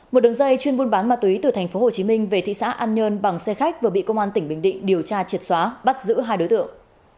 một đường dây chuyên buôn bán ma túy từ thành phố hồ chí minh về thị xã an nhơn bằng xe khách vừa bị công an tỉnh bình định điều tra triệt xóa bắt giữ hai đối tượng